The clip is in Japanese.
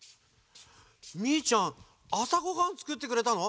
みーちゃんあさごはんつくってくれたの？